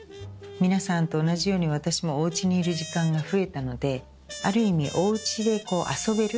皆さんと同じように私もおうちにいる時間が増えたのである意味おうちでこう遊べる？